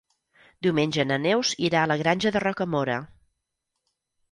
Diumenge na Neus irà a la Granja de Rocamora.